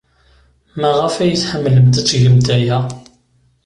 Maɣef ay tḥemmlemt ad tgemt aya?